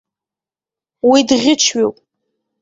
Уи дӷьычҩуп!